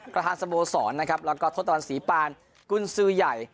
กระทานสโบสรนะครับแล้วก็ทดต่อวันสีปานกุญซื้อใหญ่